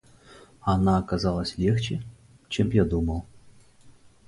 Она оказалась легче, чем я думал.